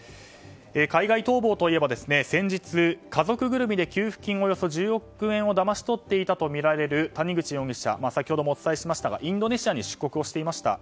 海外逃亡といえば先日、家族ぐるみで給付金およそ１０億円をだまし取っていたとみられる谷口容疑者先ほどもお伝えしましたがインドネシアに出国していました。